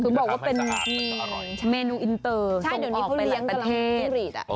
คือบอกว่าเป็นมีมีนูอินเตอร์ใช่เดี๋ยวนี้เขาเลี้ยงกับหลักประเทศ